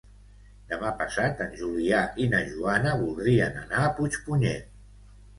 Demà passat en Julià i na Joana voldrien anar a Puigpunyent.